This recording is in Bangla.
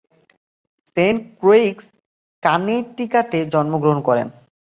সেন্ট ক্রোইক্স কানেটিকাটে জন্মগ্রহণ করেন।